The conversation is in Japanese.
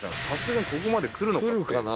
さすがにここまで来るのか。